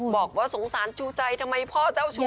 บอกว่าสงสารจูใจทำไมพ่อเจ้าชู้